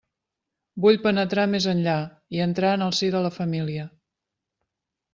Vull penetrar més enllà, i entrar en el si de la família.